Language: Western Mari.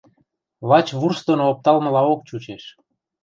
Лач вурс доно опталмылаок чучеш.